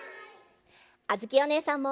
あづきおねえさんも！